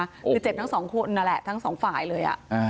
คือเจ็บทั้งสองคนนั่นแหละทั้งสองฝ่ายเลย